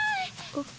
あっ。